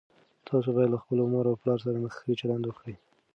تاسو باید له خپلو مور او پلار سره ښه چلند وکړئ.